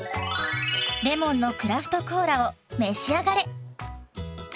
レモンのクラフトコーラを召し上がれ。